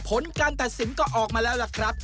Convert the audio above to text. ผลการตัดสินก็ออกมาแล้วล่ะครับ